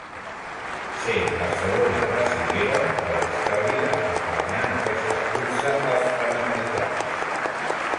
Sent la segona Brasilera de la història en guanyar aquesta cursa als Panamericans.